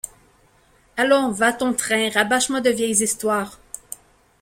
Allons ; va ton train, rabâche-moi de vieilles histoires.